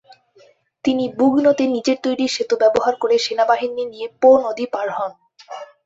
তিনি বুগনোতে নিজের তৈরি সেতু ব্যবহার করে সেনাবাহিনী নিয়ে পো নদী পার হন।